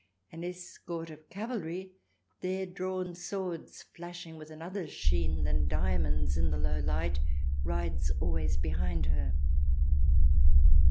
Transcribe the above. An escort of cavalry, their drawn swords flashing with another sheen than diamonds in the low light, rides always behind her.